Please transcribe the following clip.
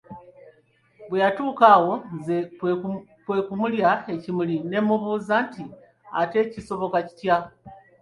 Bwe yatuuka awo nze kwe kumulya ekimuli ne mmubuuza nti ate kisoboka kitya?